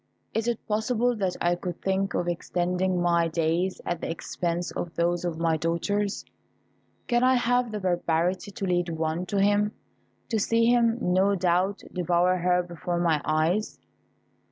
Is it possible that I could think of extending my days at the expense of those of my daughters? Can I have the barbarity to lead one to him, to see him, no doubt, devour her before my eyes?"